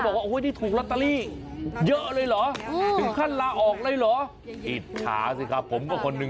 ไม่เคยถูกเลยใช่ไหม